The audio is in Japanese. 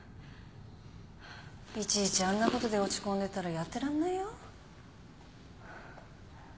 いちいちあんなことで落ち込んでたらやってらんないよ。